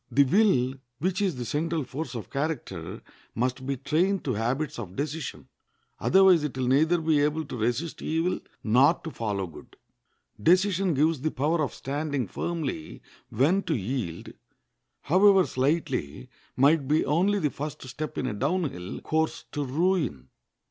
The will, which is the central force of character, must be trained to habits of decision; otherwise it will neither be able to resist evil nor to follow good. Decision gives the power of standing firmly when to yield, however slightly, might be only the first step in a down hill course to ruin.